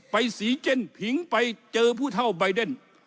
สีเจนผิงไปเจอผู้เท่าใบเดน